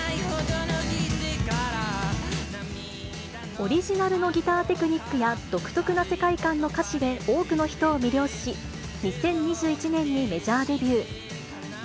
オリジナルのギターテクニックや独特な世界観の歌詞で多くの人を魅了し、２０２１年にメジャーデビュー。